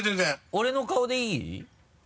俺の顔でいい？